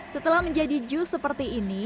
setelah menjadi jus seperti ini